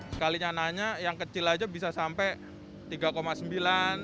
sekalinya nanya yang kecil aja bisa sampai tiga sembilan